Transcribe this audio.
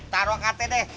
taruh angkatnya deh